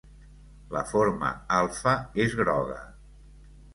La forma alfa és groga.